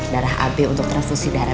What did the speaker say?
darah ab untuk transfusi darah